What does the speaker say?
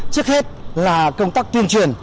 trước hết là công tác tuyên truyền